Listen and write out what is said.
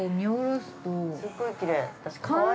◆すっごいきれい。